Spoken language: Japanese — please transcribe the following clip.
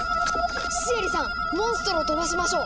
シエリさんモンストロを飛ばしましょう！